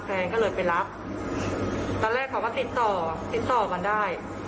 แฟนก็เลยไปรับตอนแรกเขาก็ติดต่อติดต่อกันได้